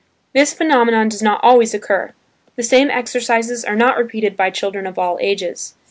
This phenomenon does not always occur. The same exercises are not repeated by children of all ages.